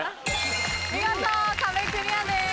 見事壁クリアです。